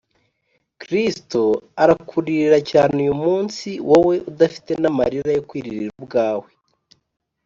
’ kristo arakuririra cyane uyu munsi, wowe udafite n’amarira yo kwiririra ubwawe